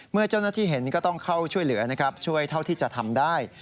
เมื่อเจ้าหน้าที่เห็นก็ต้องเข้าช่วยเหลือนะครับช่วยเท่าที่จะทำได้